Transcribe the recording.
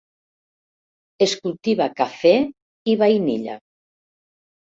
Es cultiva cafè i vainilla.